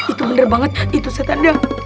itu bener banget itu setan dia